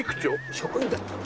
職員だったの。